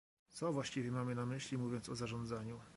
Co właściwie mamy na myśli, mówiąc o zarządzaniu?